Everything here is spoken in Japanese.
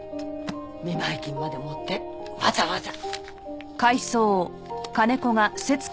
見舞金まで持ってわざわざ。